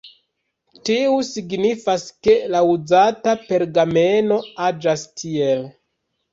Tiu signifas, ke la uzata pergameno aĝas tiel.